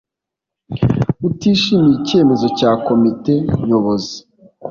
Utishimiye icyemezo cya Komite nyobozi